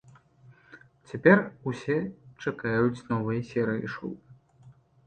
Цяпер усе чакаюць новай серыі шоў.